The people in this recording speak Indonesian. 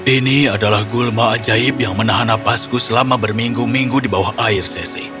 ini adalah gulma ajaib yang menahan napasku selama berminggu minggu di bawah air sese